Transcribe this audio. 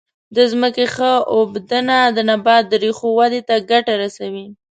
د ځمکې ښه اوبدنه د نبات د ریښو ودې ته ګټه رسوي.